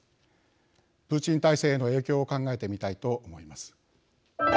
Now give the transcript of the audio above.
プーチン体制への影響を考えてみたいと思います。